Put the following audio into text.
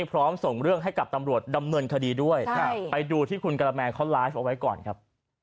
ส่งเรื่องให้กับตำรวจดำเนินคดีด้วยไปดูที่คุณกระแมนเขาไลฟ์เอาไว้ก่อนครับ